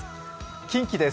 近畿です。